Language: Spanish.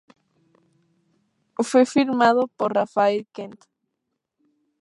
Fue filmado por Rafael Kent.